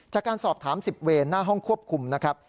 จากการสอบถาม๑๐เวนหน้าห้องควบคุมนะครับ